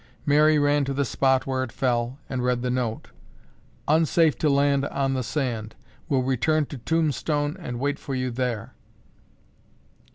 Mary ran to the spot where it fell and read the note. "Unsafe to land on the sand. Will return to Tombstone and wait for you there."